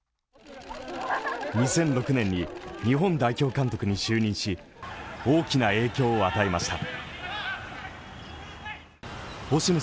２００６年に日本代表監督に就任し、大きな影響を与えました。